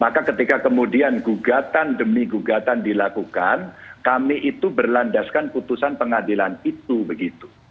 maka ketika kemudian gugatan demi gugatan dilakukan kami itu berlandaskan putusan pengadilan itu begitu